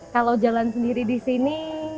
kalau jalan sendiri di sini